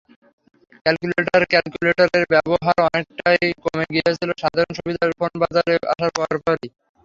ক্যালকুলেটরক্যালকুলেটরের ব্যবহার অনেকটাই কমে গিয়েছিল সাধারণ সুবিধার ফোন বাজারে আসার পরপরই।